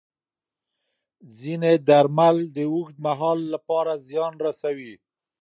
ځینې درمل د اوږد مهال لپاره زیان رسوي.